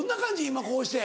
今こうして。